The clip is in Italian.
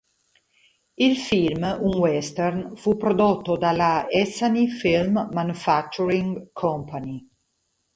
Il film, un western, fu prodotto dalla Essanay Film Manufacturing Company.